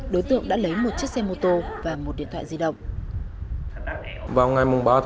đối tượng đã lấy một chiếc xe mô tô và một điện thoại di động